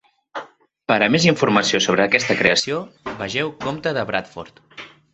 Per a més informació sobre aquesta creació, vegeu comte de Bradford.